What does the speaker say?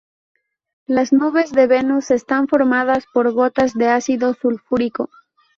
Las nubes de Venus están formadas por gotas de ácido sulfúrico.